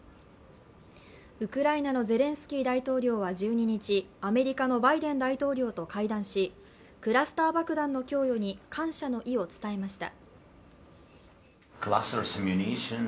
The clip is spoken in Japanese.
ウクライナのゼレンスキー大統領は１２日、アメリカのバイデン大統領と会談し、クラスター爆弾の供与に感謝の意を伝えました。